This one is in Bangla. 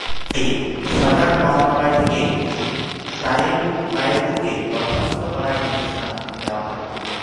পরে স্থানীয় সরকার মন্ত্রণালয় থেকে তায়েবুরকে বরখাস্ত করার নির্দেশনা দেওয়া হয়।